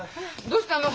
どうしたの？